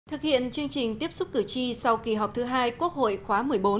thực hiện chương trình tiếp xúc cử tri sau kỳ họp thứ hai quốc hội khóa một mươi bốn